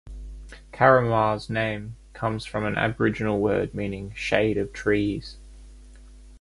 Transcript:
Carramar's name comes from an aboriginal word meaning "shade of trees".